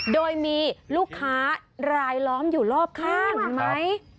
โดยมีลูกค้ารายล้อมอยู่รอบข้างเห็นไหม